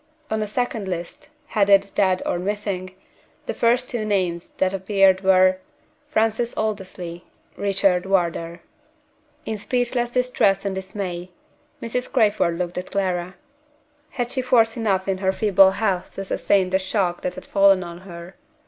On a second list, headed "Dead or Missing," the first two names that appeared were: FRANCIS ALDERSLEY. RICHARD WARDOUR. In speechless distress and dismay, Mrs. Crayford looked at Clara. Had she force enough in her feeble health to sustain the shock that had fallen on her?